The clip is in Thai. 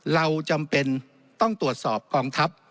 เราจำเป็นต้องตรวจสอบกองทัพ